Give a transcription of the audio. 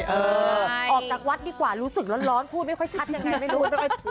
ออกจากวัดดีกว่ารู้สึกร้อนพูดไม่ค่อยชัดยังไงไม่รู้